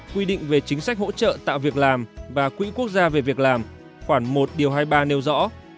quy định về chính sách hỗ trợ tạo việc làm và quỹ quốc gia về việc làm khoảng một điều hai mươi ba nêu rõ